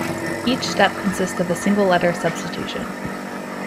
Each step consists of a single letter substitution.